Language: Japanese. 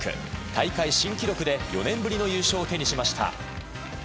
大会新記録で４年ぶりの優勝を手にしました。